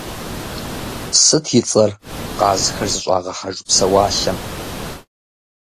Сыт и цӏэр къазхэр зыщӀагъэхьэж псэуалъэм?